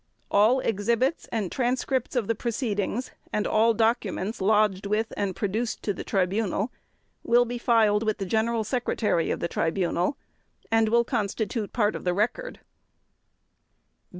All exhibits and transcripts of the proceedings and all documents lodged with and produced to the Tribunal will be filed with the General Secretary of the Tribunal and will constitute part of the Record.